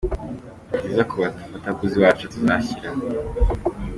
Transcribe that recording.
nziza ku bafatabuguzi bacu, tuzashyira.